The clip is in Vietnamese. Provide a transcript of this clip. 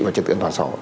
và trật tự an toàn sở